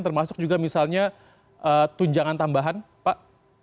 termasuk juga misalnya tunjangan tambahan pak